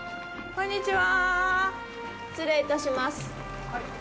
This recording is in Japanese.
こんにちは。